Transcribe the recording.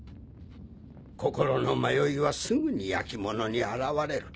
心の迷いはすぐに焼き物に表れる。